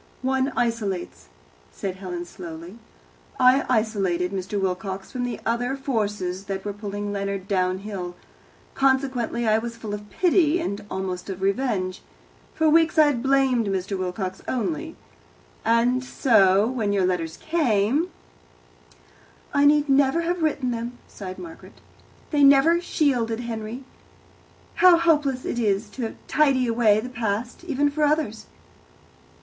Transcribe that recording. "One isolates," said Helen slowly. "I isolated Mr. Wilcox from the other forces that were pulling Leonard downhill. Consequently, I was full of pity, and almost of revenge. For weeks I had blamed Mr. Wilcox only, and so, when your letters came " "I need never have written them," sighed Margaret. "They never shielded Henry. How hopeless it is to tidy away the past, even for others!"